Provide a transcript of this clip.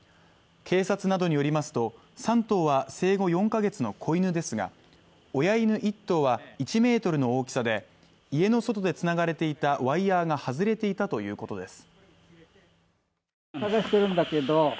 警察などによりますと、３頭は生後４カ月の子犬ですが、親犬１頭は１ｍの大きさで家の外でつながれていたワイヤーが外れていたということです。